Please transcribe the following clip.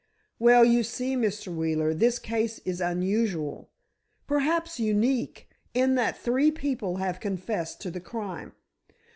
"Well, you see, Mr. Wheeler, this case is unusual—perhaps unique, in that three people have confessed to the crime.